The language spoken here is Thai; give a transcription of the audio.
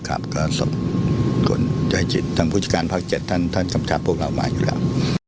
ครับครับก็ส่งคนใจจิตทางพฤติการภาค๗ท่านคำถามพวกเรามาอยู่แล้ว